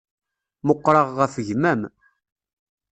Meqqṛeɣ ɣef gma-m.